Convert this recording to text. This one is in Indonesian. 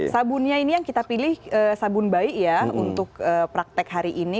sabunnya ini yang kita pilih sabun baik ya untuk praktek hari ini